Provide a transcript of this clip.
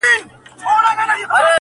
ګران وطنه دا هم زور د میني ستا دی,